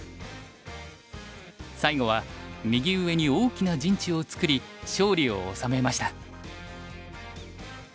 最後は右上に大きな陣地を作り勝利を収めました。